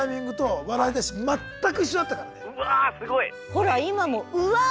ほら今も「うわ」が。